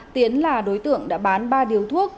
tiến là đối tượng đã bán ba điếu thuốc